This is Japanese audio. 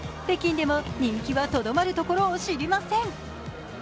北京でも人気はとどまるところを知りません。